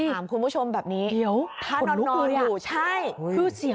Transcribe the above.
สำเร็จจากรายเถอร์น่าออธิบาย